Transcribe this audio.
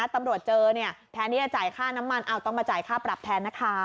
ตำรวจเจอแทนที่จะจ่ายค่าน้ำมันต้องมาจ่ายค่าปรับแทนนะคะ